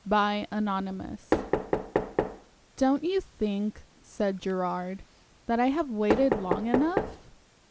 Chapter XL "Don't you think," said Gerard, "that I have waited long enough?"